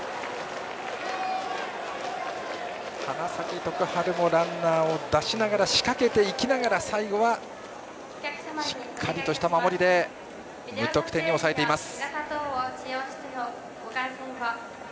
花咲徳栄もランナーを出しながら仕掛けていきながら最後はしっかりとした守りで無得点に抑えています。